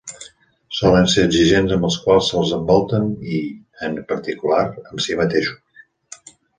Solen ser exigents amb els quals els envolten i, en particular, amb si mateixos.